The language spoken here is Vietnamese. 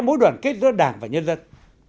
mối đoàn kết giữa đảng và nhân dân